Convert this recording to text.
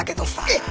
えっ？